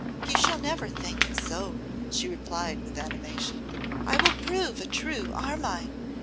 'You shall never think it so,' she replied with animation. 'I will prove a true Armine.